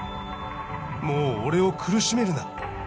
もう俺を苦しめるな。